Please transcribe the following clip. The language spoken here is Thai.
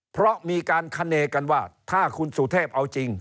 เพราะมีการคเนกันว่าถ้าคุณสุเทพเอาจริง